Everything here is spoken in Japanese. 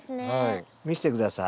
見せて下さい。